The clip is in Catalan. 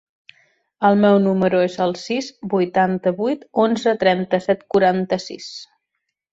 El meu número es el sis, vuitanta-vuit, onze, trenta-set, quaranta-sis.